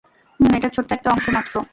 হুম, এটার ছোট্ট একটা অংশ মাত্র।